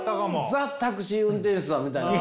ザタクシー運転手さんみたいな。